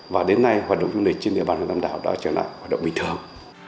và đến nay hoạt động du lịch trên địa bàn hợp tâm đảo đã trở lại hoạt động bình thường